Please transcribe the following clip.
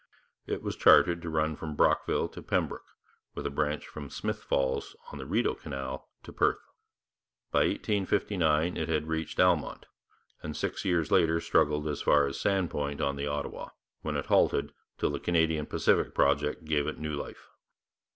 It was chartered to run from Brockville to Pembroke, with a branch from Smith's Falls on the Rideau Canal to Perth. By 1859 it had reached Almonte, and six years later struggled as far as Sand Point on the Ottawa, when it halted, till the Canadian Pacific project gave it new life.